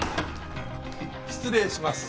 失礼します。